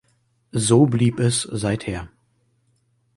So blieb es seither.